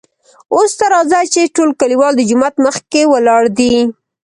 اوس ته راځه چې ټول کليوال دجومات مخکې ولاړ دي .